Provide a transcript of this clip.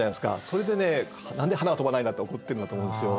それでね何で花は飛ばないんだって怒ってるんだと思うんですよ。